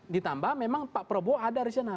ditambah memang pak prabowo ada di sana